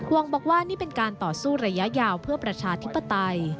บอกว่านี่เป็นการต่อสู้ระยะยาวเพื่อประชาธิปไตย